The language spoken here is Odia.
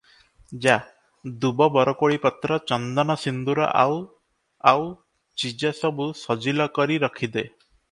ଯା, ଦୂବ ବରକୋଳିପତ୍ର ଚନ୍ଦନ ସିନ୍ଦୂର ଆଉ ଆଉ ଚିଜ ସବୁ ସଜିଲ କରି ରଖି ଦେ ।